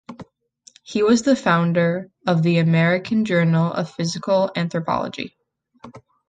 He was the founder of the "American Journal of Physical Anthropology".